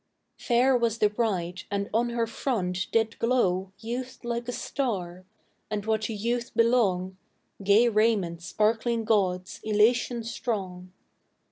Fair was the bride, and on her front did glow Youth like a star; and what to youth belong, Gay raiment sparkling gauds, elation strong.